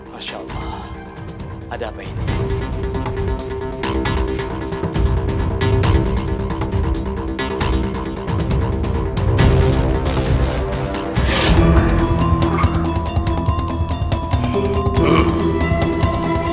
masya allah ada apa ini